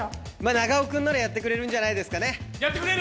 長尾君ならやってくれるんじゃないですかね。